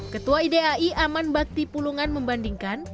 ketua idai aman bakti pulungan membandingkan